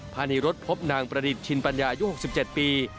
พบนางประดิษฐ์ชินปัญญาอายุ๖๗ปี